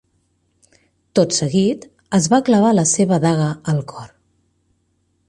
Tot seguit, es va clavar la seva daga al cor.